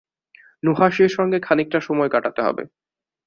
নুহাশের সঙ্গে খানিকটা সময় কাটাতে হবে।